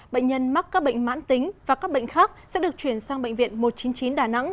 bệnh nhân mắc các bệnh mãn tính và các bệnh khác sẽ được chuyển sang bệnh viện một trăm chín mươi chín đà nẵng